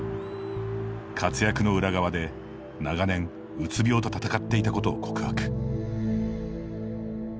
活躍の裏側で、長年うつ病と闘っていたことを告白。